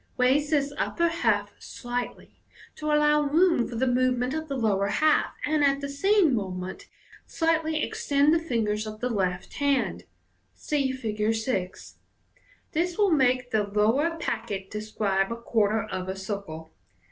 Raise this upper half slightly, to allow room for the movement of the lower half, and at the same moment slightly extend the fingers of the left hand (See Fig. 6.) This will make the lower packet de* scribe a quarter of a circle.